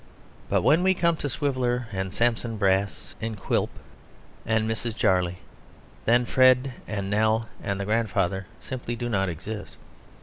But when we come to Swiveller and Sampson Brass and Quilp and Mrs. Jarley, then Fred and Nell and the grandfather simply do not exist.